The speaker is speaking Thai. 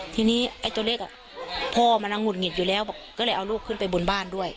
ทีนี้ไอ้ตัวเล็กพ่อมันหุดหงิดอยู่แล้วก็เลยเอาลูกขึ้นไปบนบ้านด้วย